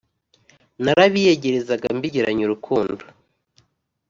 Narabiyegerezaga mbigiranye urukundo,